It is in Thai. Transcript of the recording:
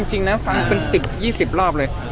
๑๐๒๐รอบเลย